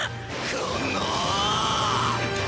この！！